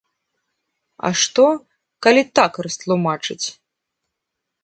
А што, калі так растлумачаць?